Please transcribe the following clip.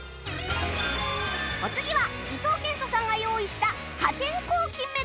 お次は伊東健人さんが用意した破天荒金メダル